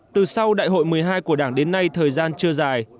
từ sau đại hội một mươi hai của đảng đến nay thời gian chưa dài